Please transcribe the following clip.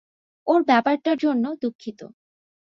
ওর ব্যাপারটার জন্য দুঃখিত।